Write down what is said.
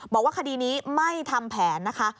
บอกว่าคดีนี้ไม่ทำแผนนะคะ